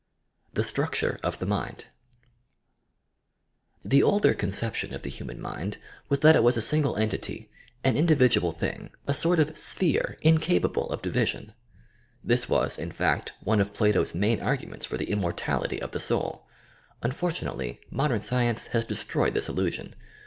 TQE STRUCTURE OP THE UrND The older conception of the hnman mind was that it was a .sinffle entity, an individual thing, a sort of "sphere" incapable of division. This was, in fact, one of Plato's main arguments for the Immortality of the Soul. Unfortunately modern science has destroyed this illusion.